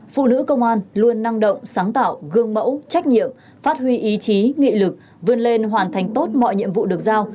phụ nữ công an luôn năng động sáng tạo gương mẫu trách nhiệm phát huy ý chí nghị lực vươn lên hoàn thành tốt mọi nhiệm vụ được giao